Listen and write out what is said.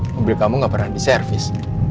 mobil kamu gak pernah di servis